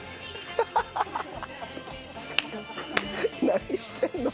何してんの？